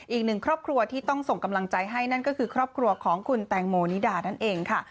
อีกหนึ่งครอบครัวที่ต้องส่งกำลังใจให้นั่นก็คือครอบครัวของคุณแตงโมนิดานั่นเองค่ะ